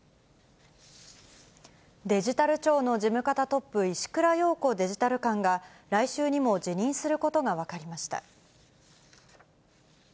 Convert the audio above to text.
デジタル庁の事務方トップ、石倉洋子デジタル監が、来週にも辞任することが分かりました。